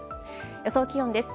予想気温です。